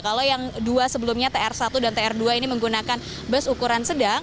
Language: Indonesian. kalau yang dua sebelumnya tr satu dan tr dua ini menggunakan bus ukuran sedang